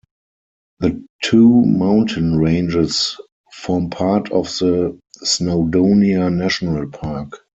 The two mountain ranges form part of the Snowdonia National Park.